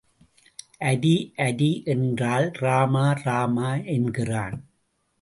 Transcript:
அரி அரி என்றால் ராமா ராமா என்கிறான்.